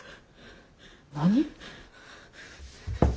何？